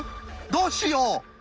どうしよう⁉